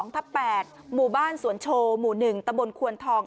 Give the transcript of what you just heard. ทับ๘หมู่บ้านสวนโชว์หมู่๑ตะบนควนทอง